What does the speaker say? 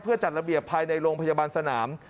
เพื่อจัดระเบียบภายในโรงพยาบาลสนาม